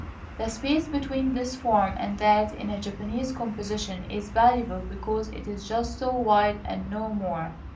The space between this form and that, in a Japanese composition, is valuable because it is just so wide and no more.